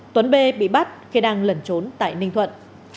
tuấn b bị bắt khi đang lẩn trốn tại ninh thuận